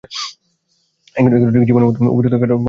এগুলি ঠিক জীবাণুর মত উপযুক্ত ক্ষেত্র পাইলেই ক্রমাগত বৃদ্ধি পায়।